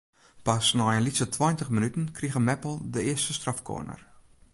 Pas nei in lytse tweintich minuten krige Meppel de earste strafkorner.